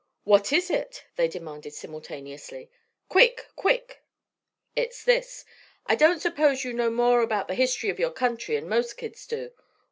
"What is it?" they demanded simultaneously. "Quick! quick!" "It's this. I don't suppose you know more about the history of your country 'n most kids do.